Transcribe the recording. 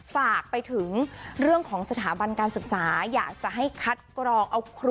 ฝากไปถึงเรื่องของสถาบันการศึกษาอยากจะให้คัดกรองเอาครู